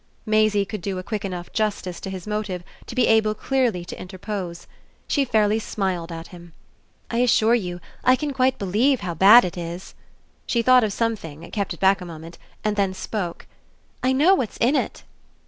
Maisie could do a quick enough justice to his motive to be able clearly to interpose. She fairly smiled at him. "I assure you I can quite believe how bad it is!" She thought of something, kept it back a moment, and then spoke. "I know what's in it!"